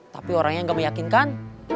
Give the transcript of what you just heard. tapi orangnya nggak meyakinkan